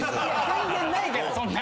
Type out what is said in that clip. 全然ないからそんな。